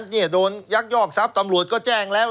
เนี่ยโดนยักยอกทรัพย์ตำรวจก็แจ้งแล้ว